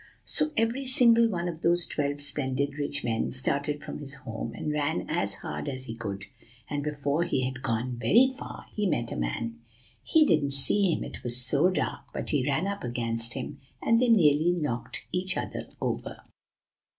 So every single one of those twelve splendid rich men started from his home, and ran as hard as he could. And before he had gone very far, he met a man, he didn't see him, it was so dark, but he ran up against him, and they nearly knocked each other over.